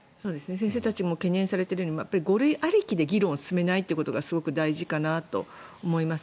先生たちも懸念されていますが５類ありきで議論を進めないというのがすごく大事かなと思います。